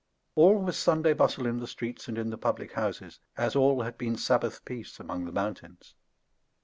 All was Sunday bustle in the streets and in the public houses, as all had been Sabbath peace among the mountains.